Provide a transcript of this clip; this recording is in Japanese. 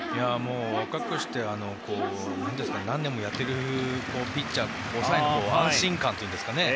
若くして何年もやっているピッチャー抑えの安心感というか。